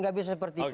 gak bisa seperti itu